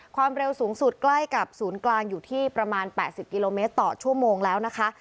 ความเร็วสูงสุดใกล้กับศูนย์กลางอยู่ที่ประมาณ๘๐กิโลเมตรต่อชั่วโมงแล้วนะคะ